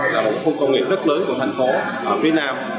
là một khu công nghiệp rất lớn của thành phố phía nam